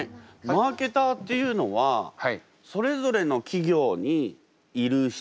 マーケターっていうのはそれぞれの企業にいる人なんですか？